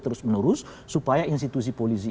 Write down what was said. terus menerus supaya institusi polisi